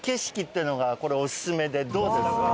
どうです？